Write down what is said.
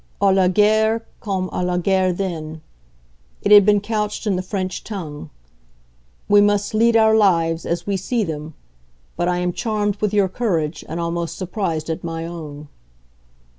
"A la guerre comme a la guerre then" it had been couched in the French tongue. "We must lead our lives as we see them; but I am charmed with your courage and almost surprised at my own."